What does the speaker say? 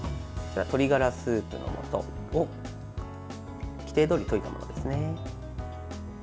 鶏がらスープのもとを規定どおり溶いたものですね。